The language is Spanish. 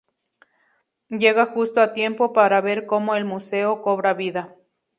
Llega justo a tiempo para ver cómo el museo cobra vida.